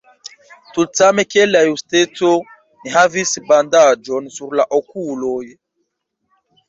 Tutsame kiel la Justeco, ni havis bandaĝon sur la okuloj.